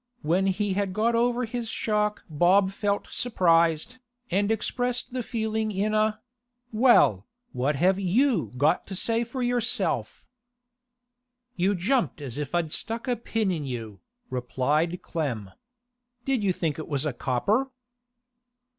When he had got over his shock Bob felt surprised, and expressed the feeling in a—'Well, what have you got to say for yourself?' 'You jumped as if I'd stuck a pin in you,' replied Clem. 'Did you think it was a copper?